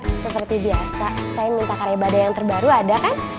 ya seperti biasa saya minta karya badai yang terbaru ada kan